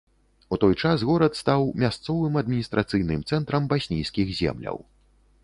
У той час горад стаў мясцовым адміністрацыйным цэнтрам баснійскіх земляў.